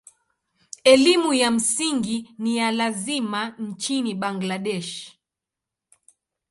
Elimu ya msingi ni ya lazima nchini Bangladesh.